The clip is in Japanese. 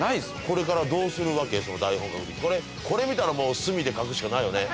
これからどうするわけ台本書くときこれ見たらもう墨で書くしかないよね